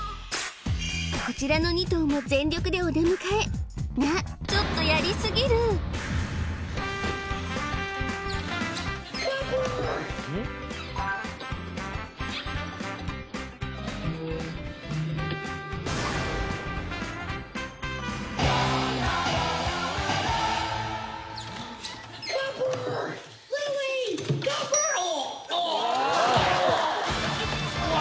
こちらの２頭も全力でお出迎えがちょっとやりすぎるうわ